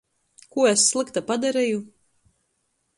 Kū es slykta padareju?